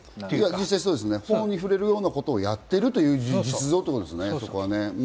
実際、法に触れるようなことをやっているという実像ということですね。